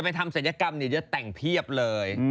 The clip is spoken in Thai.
ฝัยกรรมเนี่ยจะแต่งเพียบเลย